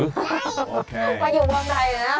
กระโยบางใดนะ